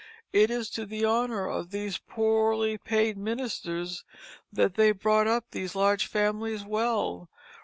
It is to the honor of these poorly paid ministers that they brought up these large families well.